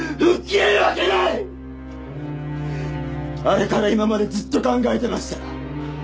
あれから今までずっと考えてました。